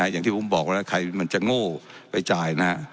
อย่างที่ผมบอกแล้วใครมันจะโง่ไปจ่ายนะ